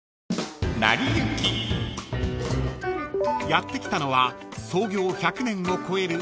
［やって来たのは創業１００年を超える］